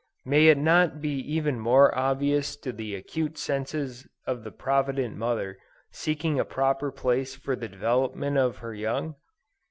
May it not be even more obvious to the acute senses of the provident mother, seeking a proper place for the development of her young?